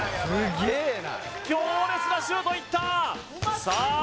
強烈なシュートいったさあ